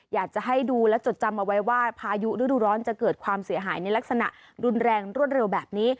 อยากจะให้ดูและจดจำเอาไว้ว่าพายุฤดูร้อนจะเกิดความเสียหายในลักษณะรุนแรงรวดเร็วแบบนี้